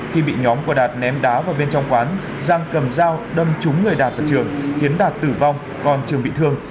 khi bị nhóm của đạt ném đá vào bên trong quán giang cầm dao đâm trúng người đạt và trường khiến đạt tử vong còn trường bị thương